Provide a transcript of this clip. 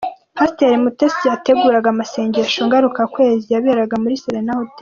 Pasiteri Mutesi yateguraga amasengesho ngarukakwezi yaberaga muri Serena Hotel